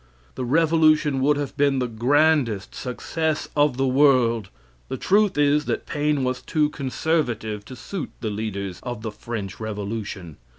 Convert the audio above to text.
The revolution would have been the grandest success of the world. The truth is that Paine was too conservative to suit the leaders of the French revolution.